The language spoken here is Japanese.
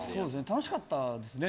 楽しかったですね